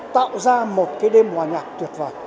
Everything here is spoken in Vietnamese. tạo ra một cái đêm hòa nhạc tuyệt vời